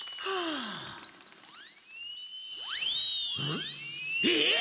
ん？えっ！